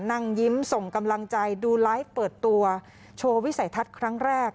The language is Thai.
นั่งยิ้มส่งกำลังใจดูไลฟ์เปิดตัวโชว์วิสัยทัศน์ครั้งแรก